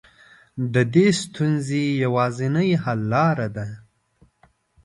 د دې ستونزې يوازنۍ حل لاره ده.